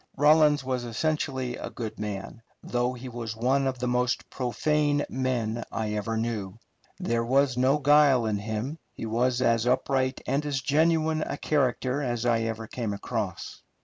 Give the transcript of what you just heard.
Rawlins was essentially a good man, though he was one of the most profane men I ever knew; there was no guile in him he was as upright and as genuine a character as I ever came across.